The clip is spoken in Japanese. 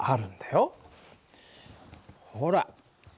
ほら。